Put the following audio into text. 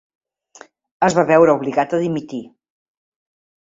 Es va veure obligat a dimitir.